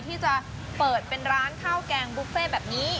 ที่จะเปิดเป็นร้านข้าวแกงบุฟเฟ่แบบนี้